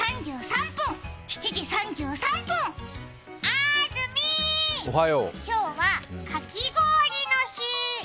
あーずみー、今日はかき氷の日。